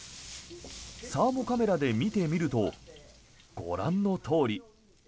サーモカメラで見てみるとご覧のとおり。